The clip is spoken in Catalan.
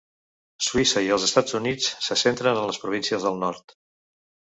Suïssa i els Estats Units se centren en les províncies del nord.